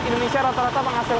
indonesia rata rata memiliki